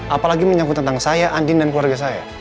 apalagi menyangkut tentang saya andin dan keluarga saya